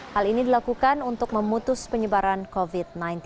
hal ini dilakukan untuk memutus penyebaran covid sembilan belas